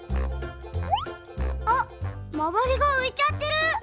あっまわりがういちゃってる！